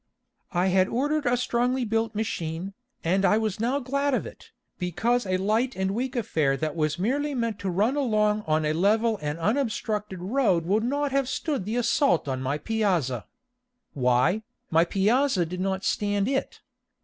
I had ordered a strongly built machine, and I was now glad of it, because a light and weak affair that was merely meant to run along on a level and unobstructed road would not have stood the assault on my piazza. Why, my piazza did not stand it.